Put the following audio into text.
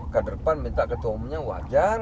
ke depan minta ketua umumnya wajar